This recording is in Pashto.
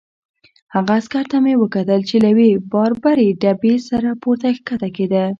هغه عسکر ته مې کتل چې له یوې باربرې ډبې سره پورته کښته کېده.